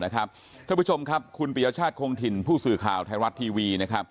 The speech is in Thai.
ท่านผู้ชมครับคุณปียชาติคงถิ่นผู้สื่อข่าวไทยรัฐทีวี